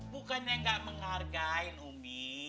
bukannya gak menghargai umi